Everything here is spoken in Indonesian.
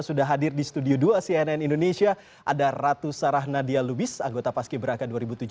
sudah hadir di studio dua cnn indonesia ada ratu sarah nadia lubis anggota paski beraka dua ribu tujuh belas